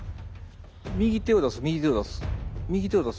右手を出す右手を出す。